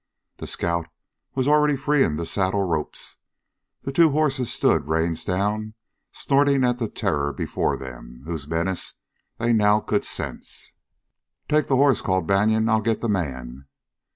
The scout was already freeing the saddle ropes. The two horses stood, reins down, snorting at the terror before them, whose menace they now could sense. "Take the horse!" called Banion. "I'll get the man!"